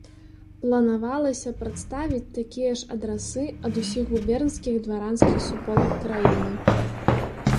Планавалася прадставіць такія ж адрасы ад усіх губернскіх дваранскіх суполак краіны.